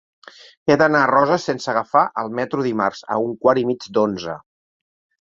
He d'anar a Roses sense agafar el metro dimarts a un quart i mig d'onze.